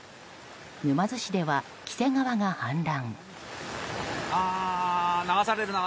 沼津市では黄瀬川が氾濫。